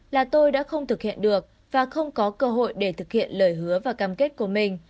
là tôi đã không thực hiện được và không có cơ hội để thực hiện lời hứa và cam kết của mình